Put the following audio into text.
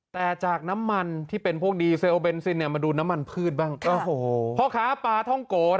แต่จากน้ำมันที่เป็นพวก